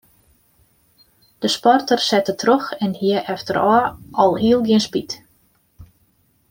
De sporter sette troch en hie efterôf alhiel gjin spyt.